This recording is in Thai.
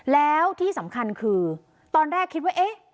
แล้วที่สำคัญคือตอนแรกคิดว่าเอ๊ะ